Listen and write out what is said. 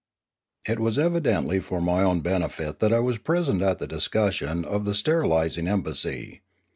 It was evidently for my own benefit that I was pre sent at the discussion of the sterilising embassy.